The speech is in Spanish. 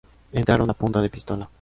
Entraron a punta de pistola.